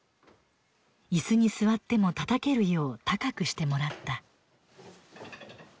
椅子に座ってもたたけるよう高くしてもらった。